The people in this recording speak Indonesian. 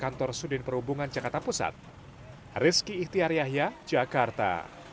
kantor sudin perhubungan jakarta pusat rizky ihtiar yahya jakarta